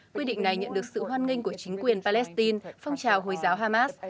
quy định này nhận được sự hoan nghênh của chính quyền palestine phong trào hồi giáo hamas